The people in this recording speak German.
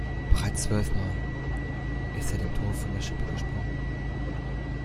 Bereits zwölf Mal ist er dem Tod von der Schippe gesprungen.